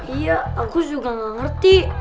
iya aku juga gak ngerti